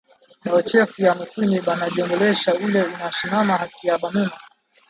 Ba chefu ya mukini bana lombesha ule ana shimamiya haki ya ba mama